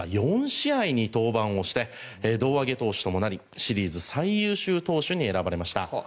４試合に登板をして胴上げ投手ともなりシリーズ最優秀投手に選ばれました。